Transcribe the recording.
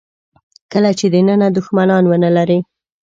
کله چې دننه دوښمنان ونه لرئ.